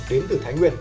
đến từ thái nguyên